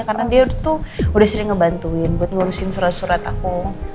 karena dia tuh udah sering ngebantuin buat ngurusin surat surat aku